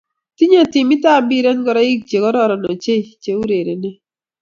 Tinye timit ab mpiret ngoroik che kororon ochi che urerien.